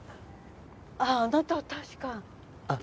あああなたは確か。